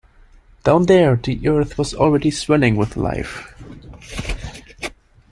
Down there the earth was already swelling with life.